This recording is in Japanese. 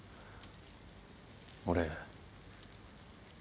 俺。